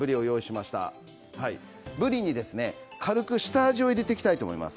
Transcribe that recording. ぶりに軽く下味を入れていきたいと思います。